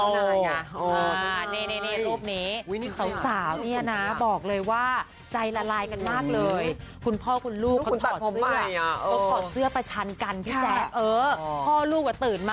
โอ้ยอันนี้เนี่ยคือใครพี่แจ๊ะผม